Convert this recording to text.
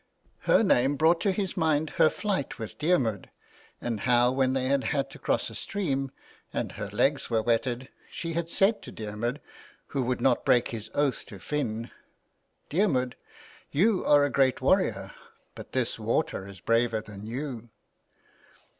Her name brought to his mind her flight with Diarmuid and how when they had had to cross a stream and her legs were wetted, she had said to Diarmuid, who would not break his oath to 303 THE WILD GOOSE. Finn, " Diarmuid, you are a great warrior, but this water is braver than you